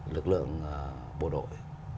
lực lượng bộ đội